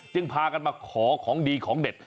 พากันมาขอของดีของเด็ด